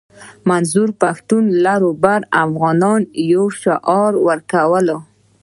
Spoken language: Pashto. منظور پښتون لر او بر افغانان شعوري يو کړل.